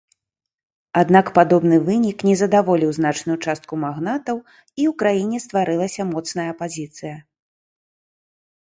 Аднак падобны вынік не задаволіў значную частку магнатаў і ў краіне стварылася моцная апазіцыя.